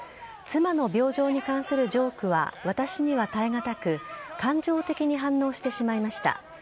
妻の病状に関するジョークは私には耐え難く、感情的に反応してしまいました。